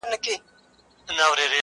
ته احمق یې خو له بخته ګړندی یې،